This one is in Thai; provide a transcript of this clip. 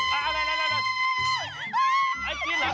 ขี่แล้วขี่แล้ว